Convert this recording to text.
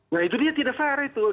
nah itu dia tidak sadar itu